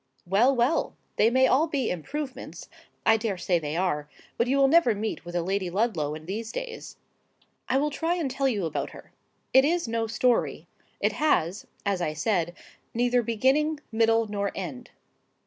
Well, well! they may all be improvements,—I dare say they are; but you will never meet with a Lady Ludlow in these days. I will try and tell you about her. It is no story: it has, as I said, neither beginning, middle, nor end.